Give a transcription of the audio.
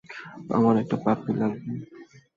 আমার একটা পাপ্পি লাগবে।